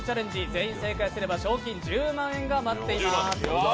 全員正解すれば賞金１０万円が待っています。